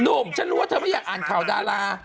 หนุ่มฉันรู้ว่าเธอไม่อยากอ่านข่าวดารา